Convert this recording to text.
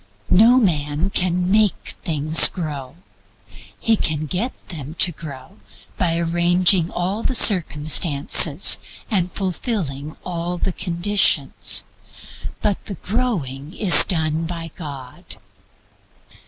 No man can make things grow. He can get them to grow by arranging all the circumstances and fulfilling all the conditions. But the growing is done by God.